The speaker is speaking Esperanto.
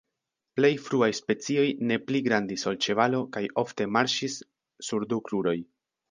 Plej fruaj specioj ne pli grandis ol ĉevalo kaj ofte marŝis sur du kruroj.